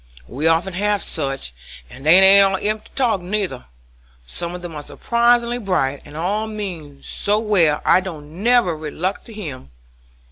We often have such, and they ain't all empty talk, nuther; some of 'em are surprisingly bright, and all mean so well I don't never reluct to hear 'em.